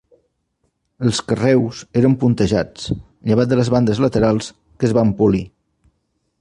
Els carreus eren puntejats, llevat de les bandes laterals, que es van polir.